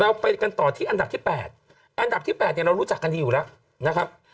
ไปกันต่อที่อันดับที่๘อันดับที่๘เนี่ยเรารู้จักกันดีอยู่แล้วนะครับ